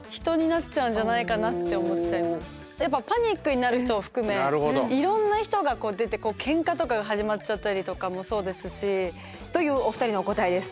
やっぱパニックになる人を含めいろんな人が出てこうケンカとかが始まっちゃったりとかもそうですし。というお二人のお答えです。